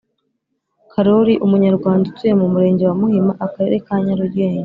Karori Umunyarwanda utuye mu murenge wa Muhima akarere ka Nyarugenge